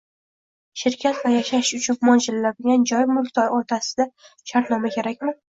Shirkat va yashash uchun mo‘ljallanmagan joy mulkdori o‘rtasida shartnoma kerakmi?